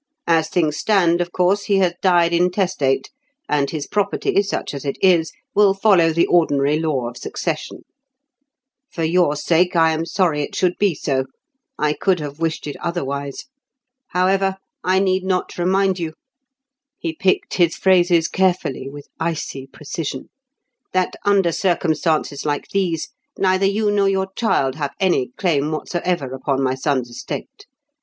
As things stand, of course, he has died intestate, and his property, such as it is, will follow the ordinary law of succession. For your sake, I am sorry it should be so; I could have wished it otherwise. However, I need not remind you"—he picked his phrases carefully with icy precision—"that under circumstances like these neither you nor your child have any claim whatsoever upon my son's estate.